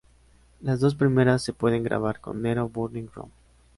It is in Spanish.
Las dos primeras se pueden grabar con Nero Burning Rom.